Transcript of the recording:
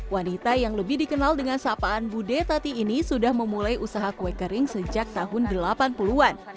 wanita yang lebih dikenal dengan sapaan bude tati ini sudah memulai usaha kue kering sejak tahun delapan puluh an